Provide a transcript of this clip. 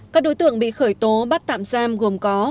các đối tượng bị khởi tố bắt tạm giam gồm có